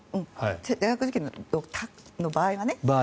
大学受験の場合はね。